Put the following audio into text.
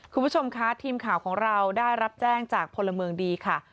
คุณผู้ชมคะทีมข่าวของเราได้รับแจ้งจากพลเมืองดีค่ะ